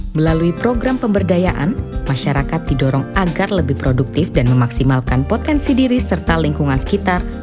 melalui program pemberdayaan masyarakat didorong agar lebih produktif dan memaksimalkan potensi diri serta lingkungan sekitar